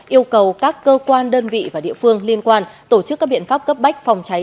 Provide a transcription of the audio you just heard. yêu cầu các cơ quan đơn vị và địa phương liên quan tổ chức các biện pháp cấp bách phòng cháy